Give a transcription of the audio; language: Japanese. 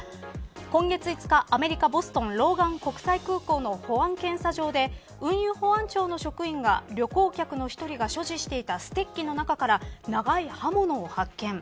今月５日、アメリカボストン、ローガン国際空港の保安検査場で運輸保安庁の職員が旅行客の１人が所持していたステッキの中から長い刃物を発見。